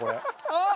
あっ！